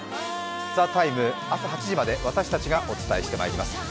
「ＴＨＥＴＩＭＥ，」、朝８時まで私たちがお伝えしてまいります。